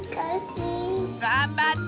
がんばって！